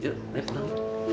yuk naik pulang